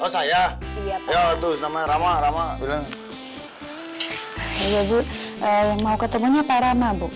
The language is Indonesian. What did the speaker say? sampai jumpa di video selanjutnya